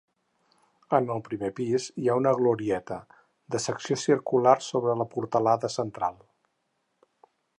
En el primer pis hi ha una glorieta, de secció circular sobre la portalada central.